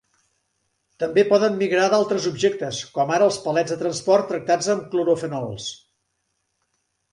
També poden migrar d'altres objectes, com ara els palets de transport tractats amb clorofenols.